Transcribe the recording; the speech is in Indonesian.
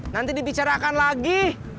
nanti dibicarakan lagi